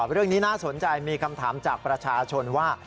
เรื่องนี้น่าสนใจมีคำถามจากประชาชนว่า